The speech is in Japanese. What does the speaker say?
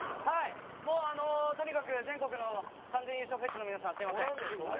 もうとにかく全国の完全優勝フェチの皆さんすみません。